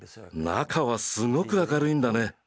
中はすごく明るいんだね。